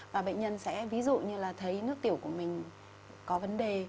và bệnh nhân sẽ ví dụ như là thấy nước tiểu của mình có vấn đề